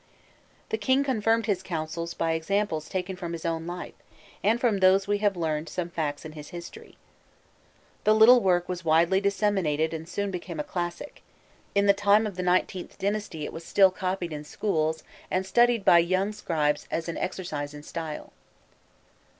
The king confirmed his counsels by examples taken from his own life, and from these we have learned some facts in his history. The little work was widely disseminated and soon became a classic; in the time of the XIXth dynasty it was still copied in schools and studied by young scribes as an exercise in style.